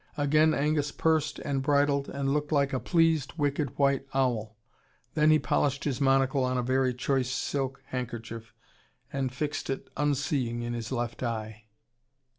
Again Angus pursed and bridled and looked like a pleased, wicked white owl. Then he polished his monocle on a very choice silk handkerchief, and fixed it unseeing in his left eye.